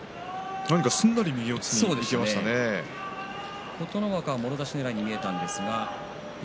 すんなり右四つに琴ノ若もろ差しねらいに見えましたね。